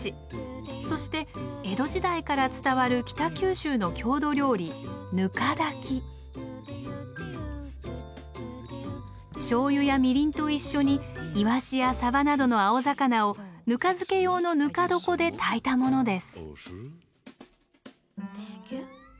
そして江戸時代から伝わる北九州の郷土料理しょうゆやみりんと一緒にイワシやサバなどの青魚をぬか漬け用のぬか床で炊いたものです。